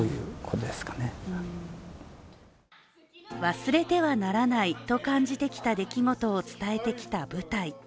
忘れてはならないと感じてきた出来事を伝えてきた舞台。